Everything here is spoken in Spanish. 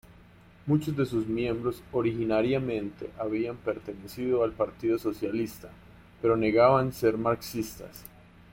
Muchos de sus miembros originariamente habían pertenecido al Partido Socialista pero negaban ser marxistas.